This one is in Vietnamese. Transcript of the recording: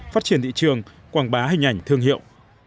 phát triển thị trường quảng bá hình ảnh thương hiệu